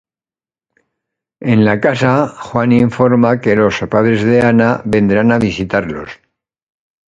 En la casa, Juan informa que los padres de Ana vendrán a visitarlos.